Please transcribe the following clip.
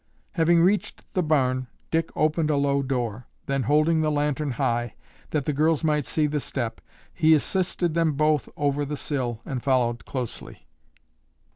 Having reached the barn, Dick opened a low door, then holding the lantern high, that the girls might see the step, he assisted them both over the sill and followed closely.